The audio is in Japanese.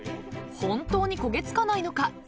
［本当に焦げ付かないのか？］